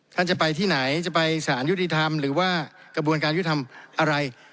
ท่านจะไปที่ไหนจะไปสารยุติธรรมหรือว่ากระบวนการยุติธรรมอะไร